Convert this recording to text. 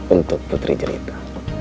untuk putri jelita